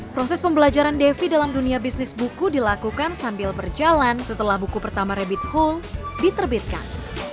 proses pembelajaran devi dalam dunia bisnis buku dilakukan sambil berjalan setelah buku pertama rabbit whole diterbitkan